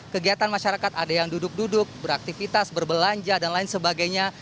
kegiatan masyarakat ada yang duduk duduk beraktivitas berbelanja dan lain sebagainya